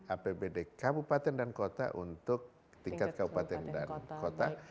apbd kabupaten dan kota untuk tingkat kabupaten dan kota